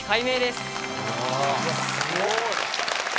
すごい！